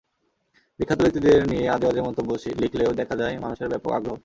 বিখ্যাত ব্যক্তিদের নিয়ে আজেবাজে মন্তব্য লিখলেও দেখা যায় মানুষের ব্যাপক আগ্রহ।